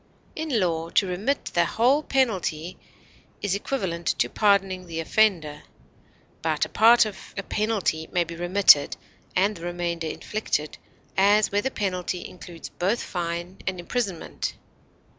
In law, to remit the whole penalty is equivalent to pardoning the offender; but a part of a penalty may be remitted and the remainder inflicted, as where the penalty includes both fine and imprisonment.